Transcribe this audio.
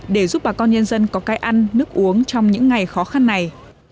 để giúp bà con nhân dân có cái ăn nước uống trong những ngày khó khăn này